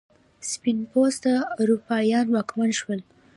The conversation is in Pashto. سپین پوسته اروپایان واکمن شول.